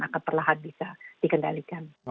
akan perlahan bisa dikendalikan